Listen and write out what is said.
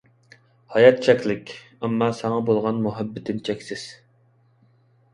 ھايات چەكلىك، ئەمما ساڭا بولغان مۇھەببىتىم چەكسىز.